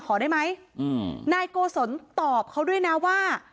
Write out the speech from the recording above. ขอได้ไหมอืมนายโกศลตอบเขาด้วยนะว่า